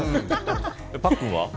パックンは。